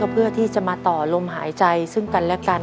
เพื่อที่จะมาต่อลมหายใจซึ่งกันและกัน